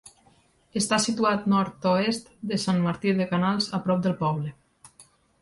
Està situat nord-oest de Sant Martí de Canals, a prop del poble.